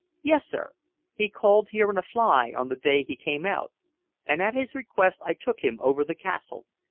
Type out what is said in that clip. "Yes, sir. He called here in a fly on the day he came out, and at his request I took him over the castle.